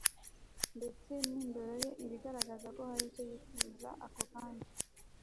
ndetse n'indoro ye iba igaragaza ko hari icyo yifuza ako kanya